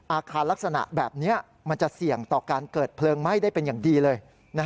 อาคารลักษณะแบบนี้มันจะเสี่ยงต่อการเกิดเพลิงไหม้ได้เป็นอย่างดีเลย